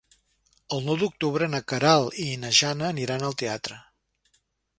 El nou d'octubre na Queralt i na Jana aniran al teatre.